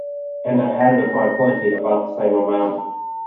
And I added of my plenty about the same amount.